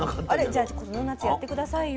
じゃあこの夏やって下さいよ。